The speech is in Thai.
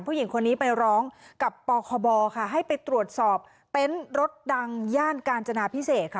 ผู้หญิงคนนี้ไปร้องกับปคบค่ะให้ไปตรวจสอบเต็นต์รถดังย่านกาญจนาพิเศษค่ะ